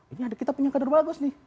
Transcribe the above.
ini kita punya kader bagus nih